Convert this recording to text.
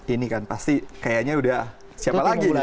ini kan pasti kayaknya udah siapa lagi